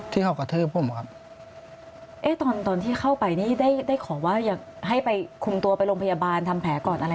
ตอนที่สงบเข้าไปได้ขอว่าให้คุมตัวไปโรงพยาบาลทำแผลก่อนครับ